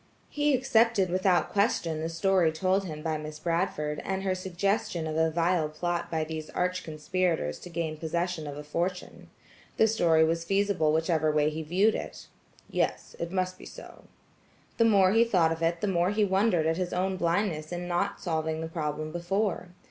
He accepted without question the story told him by Miss Bradford and her suggestion of a vile plot by these arch conspirators to gain possession of a fortune. The story was feasible whichever way he viewed it. "Yes, it must be so." The more the thought of it, the more he wondered at his own blindness in not solving the problem before.